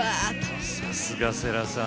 さすが世良さん。